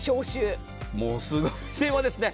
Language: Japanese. もうすごい電話ですね。